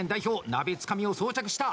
鍋つかみを装着した。